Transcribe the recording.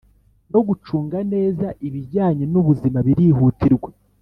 no gucunga neza ibijyanye n'ubuzima birihutirwa.